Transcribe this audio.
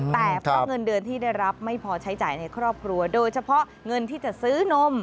แต่เพราะเงินเดือนที่ได้รับไม่พอใช้จ่ายในครอบครัวโดยเฉพาะเงินที่จะซื้อนม